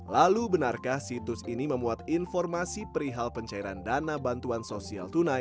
lalu benarkah situs ini memuat informasi perihal pencairan dana bantuan sosial tunai